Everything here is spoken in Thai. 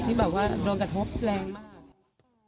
ที่แบบว่าโดนกระทบแรงมาก